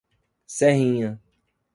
Serrinha